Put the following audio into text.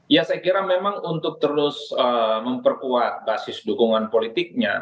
ya saya kira memang untuk terus memperkuat basis dukungan politiknya